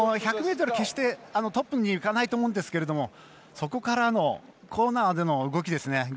１００ｍ決してトップに行かないと思うんですがそこからのコーナーでの動きですね。